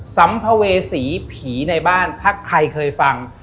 สัมภเวษีผีในบ้านถ้าใครเคยฟัง